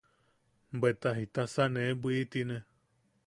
Bweta ¡Jitasa ne bwitine!